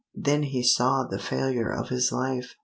Then he saw the failure of his life.